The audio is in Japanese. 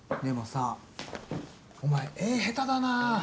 でもさお前絵下手だな。